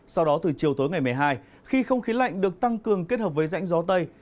sau đó từ chiều tối ngày một mươi hai khi không khí lạnh được tăng cường kết hợp với rãnh gió tây